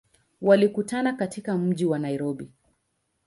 Walikutana katika mji wa Nairobi.